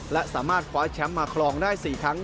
และสามารถคว้าแชมป์มาครองได้๔ครั้ง